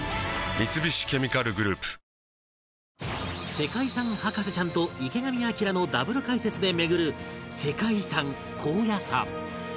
世界遺産博士ちゃんと池上彰のダブル解説で巡る世界遺産高野山